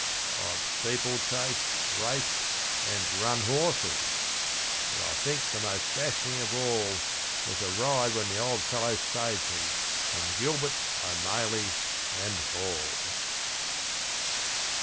I've steeplechased, raced, and 'run horses', but I think the most dashing of all Was the ride when the old fellow saved me from Gilbert, O'Maley and Hall!